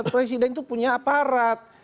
presiden itu punya aparat